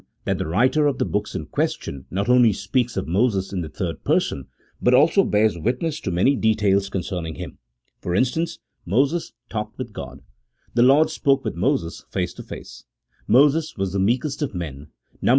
that the writer of the books in question not only speaks of Moses in the third person, but also bears witness to many details con cerning him ; for instance, " Moses talked with God ;"" The Lord spoke with Moses face to face ;"" Moses was the meekest of men" (Numb.